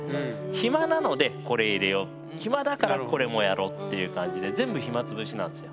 暇なのでこれ入れよ暇だからこれもやろっていう感じで全部暇つぶしなんですよ。